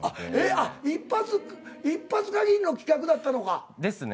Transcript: あっ一発一発限りの企画だったのか。ですね。